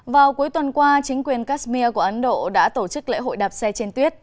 vào cuối tuần qua chính quyền kashmir của ấn độ đã tổ chức lễ hội đạp xe trên tuyết